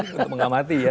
untuk mengamati ya